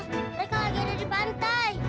mereka lagi ada di pantai